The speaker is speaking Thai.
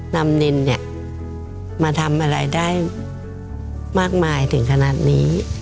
นินเนี่ยมาทำอะไรได้มากมายถึงขนาดนี้